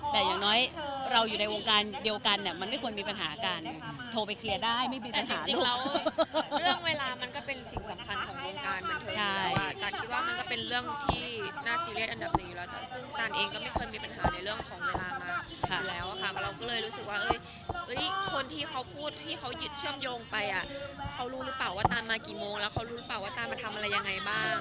เขารู้หรือเปล่าว่าตานมากี่โมงแล้วเขารู้หรือเปล่าว่าตานมาทำอะไรยังไงบ้าง